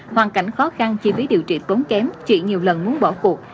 hoàn cảnh khó khăn chi phí điều trị tốn kém chị nhiều lần muốn bỏ cuộc